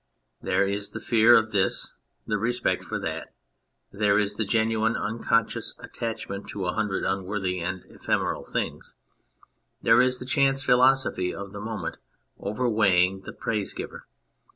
There is the fear of this, the respect for that ; there is the genuine unconscious attach ment to a hundred unworthy and ephemeral things ; there is the chance philosophy of the moment over weighing the praise giver.